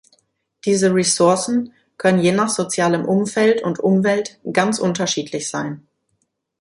Diese Ressourcen können je nach sozialem Umfeld und Umwelt ganz unterschiedlich sein.